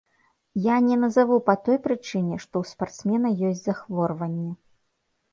Я не назаву па той прычыне, што ў спартсмена ёсць захворванне.